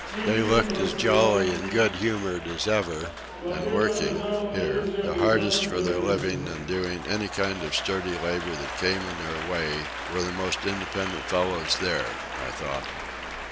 They looked as jolly and good humoured as ever; and, working (here) the hardest for their living and doing any kind of sturdy labour that came in their way, were the most independent fellows there, I thought.